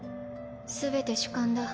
全て主観だ。